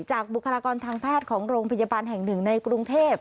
บุคลากรทางแพทย์ของโรงพยาบาลแห่งหนึ่งในกรุงเทพ